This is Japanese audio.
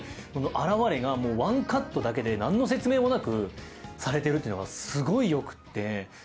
その表れがワンカットだけでなんの説明もなくされてるというのがすごい良くって。